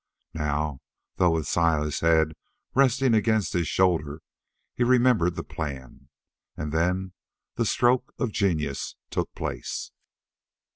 Now, though, with Saya's head resting against his shoulder, he remembered the plan. And then the stroke of genius took place.